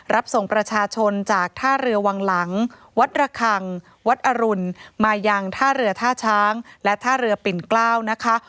รับส่งประชาชนจากท่าเรือวังหลังวัดระคังวัดอรุณมายังท่าเรือท่าช้างและท่าเรือปิ่นเกล้านะคะ